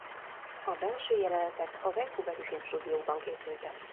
A belső jelenetek a vancouveri filmstúdiókban készültek.